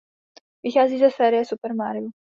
Vychází ze série Super Mario.